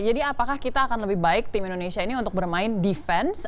jadi apakah kita akan lebih baik tim indonesia ini untuk bermain defense